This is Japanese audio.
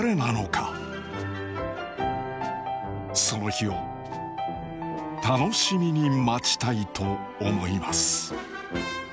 その日を楽しみに待ちたいと思います。